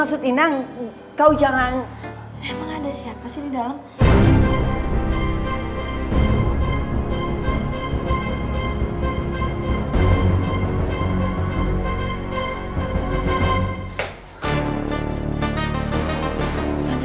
yang ingin meldir wr hammer